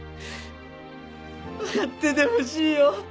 笑っててほしいよ。